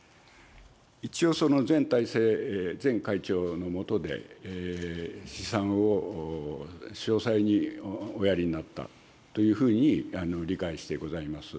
一応、その前体制、前会長の下で、試算を詳細におやりになったというふうに理解してございます。